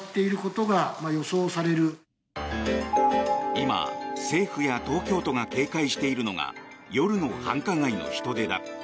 今、政府や東京都が警戒しているのが夜の繁華街の人出だ。